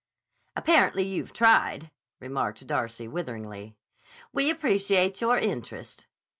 "Apparently you've tried," remarked Darcy witheringly. "We appreciate your interest."